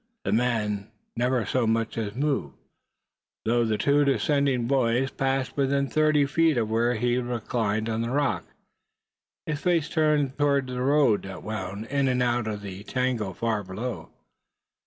The man never so much as moved, though the two descending boys passed within thirty feet of where he reclined on the rock, his face turned toward the road that wound in and out of the tangle far below.